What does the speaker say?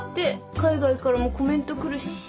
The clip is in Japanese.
海外からもコメント来るし。